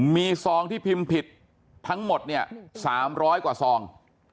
มีซองที่พิมพ์ผิดทั้งหมดเนี่ย๓๐๐กว่าซอง